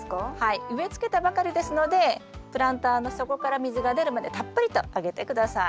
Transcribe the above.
植えつけたばかりですのでプランターの底から水が出るまでたっぷりとあげて下さい。